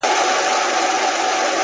يوه مياشت وروسته ژوند روان دی